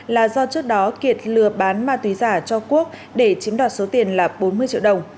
là do trước đó kiệt lừa bán ma túy giả cho quốc để chiếm đoạt số tiền là bốn mươi triệu đồng